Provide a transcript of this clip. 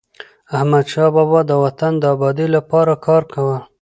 احمدشاه بابا د وطن د ابادی لپاره کار کاوه.